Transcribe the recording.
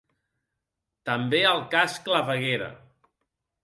També el cas Claveguera.